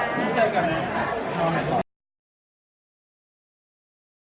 ขอบคุณค่ะ